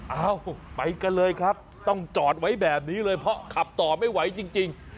เอ้าไปกันเลยครับต้องจอดไว้แบบนี้เลยเพราะขับต่อไม่ไหวจริง